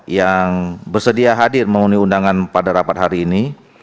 yang bersedia hadir memenuhi undangan pada rapat hari ini